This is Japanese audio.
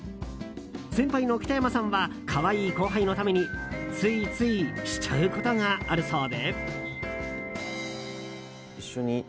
先輩の北山さんは可愛い後輩のためについつい、しちゃうことがあるそうで。